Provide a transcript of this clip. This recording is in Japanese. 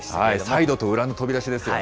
サイドと裏の飛び出しでしたよね。